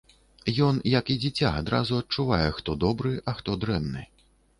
Ён, як і дзіця, адразу адчувае, хто добры, а хто дрэнны.